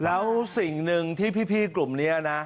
แล้วสิ่งหนึ่งที่พี่กลุ่มนี้นะ